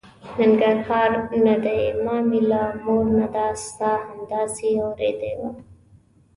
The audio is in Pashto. ننګرهار نه دی، ما مې له مور نه دا ستا همداسې اورېدې وه.